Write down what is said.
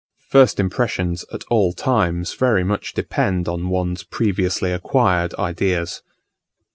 First impressions at all times very much depend on one's previously acquired ideas.